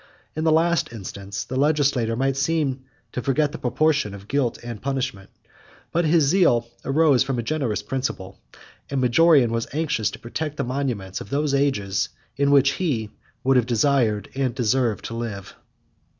In the last instance, the legislator might seem to forget the proportion of guilt and punishment; but his zeal arose from a generous principle, and Majorian was anxious to protect the monuments of those ages, in which he would have desired and deserved to live.